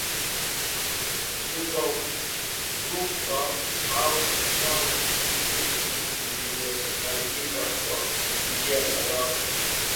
Tupa au zoa vijusi vilivyoharibika kwa njia salama